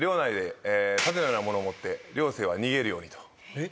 えっ？